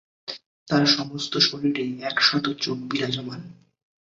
তার সমস্ত শরীরে একশত চোখ বিরাজমান।